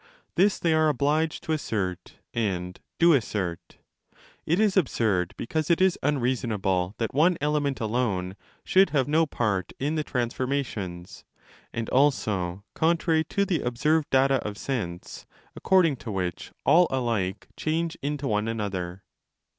This they are obliged to assert, and doassert. It is absurd, because it is unreasonable that one element alone should have no part in the transformations, and also con trary to the observed data of sense, according to which all 5 alike change into one another.